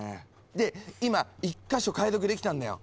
で今１か所解読できたんだよ。